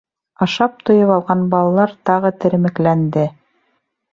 Ашап туйып алған балалар тағы теремекләнде.